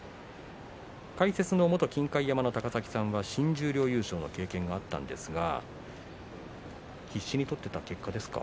解説の元金開山の高崎さんは新十両優勝の経験があるんですが必死に取った結果ですか？